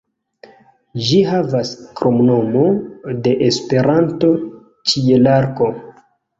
Ĝi havas kromnomo de Esperanto "Ĉielarko".